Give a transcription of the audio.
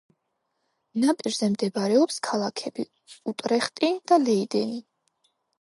ნაპირზე მდებარეობს ქალაქები: უტრეხტი და ლეიდენი.